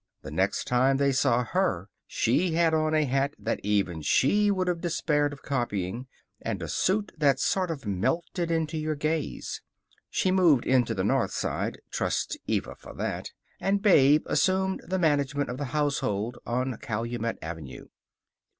The next time they saw her, she had on a hat that even she would have despaired of copying, and a suit that sort of melted into your gaze. She moved to the North Side (trust Eva for that), and Babe assumed the management of the household on Calumet Avenue.